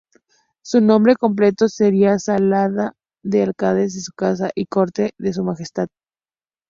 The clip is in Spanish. Su nombre completo sería Sala de Alcaldes de Casa y Corte de Su Majestad.